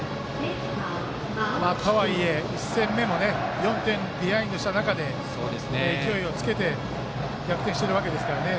とはいえ、１戦目も４点ビハインドの中で勢いをつけて逆転しているわけですからね。